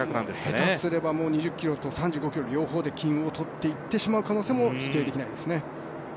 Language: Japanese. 下手すれば２０ｋｍと３５ｋｍ、両方で金をとっていく可能性も否定できないですね。